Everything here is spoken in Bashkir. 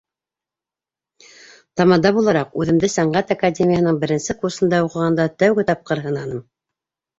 — Тамада булараҡ үҙемде сәнғәт академияһының беренсе курсында уҡығанда тәүге тапҡыр һынаным.